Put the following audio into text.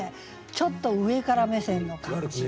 ちょっと上から目線の感じ。